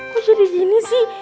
kok jadi gini sih